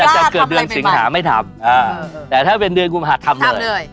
จะเกิดเดือนสิงหาไม่ทำแต่ถ้าเป็นเดือนกุมหัสทำเลย